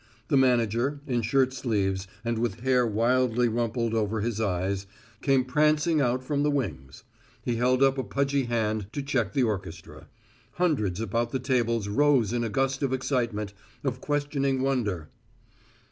The manager, in shirt sleeves and with hair wildly rumpled over his eyes, came prancing out from the wings. He held up a pudgy hand to check the orchestra. Hundreds about the tables rose in a gust of excitement, of questioning wonder.